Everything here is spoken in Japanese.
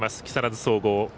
木更津総合。